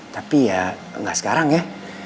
tapi ya nggak sekarang ya